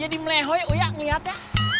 jadi melehoi uya ngelihatnya